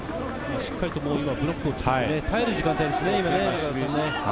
しっかりブロックを作って耐える時間帯ですね。